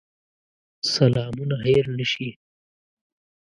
سلامونه هېر نه شي.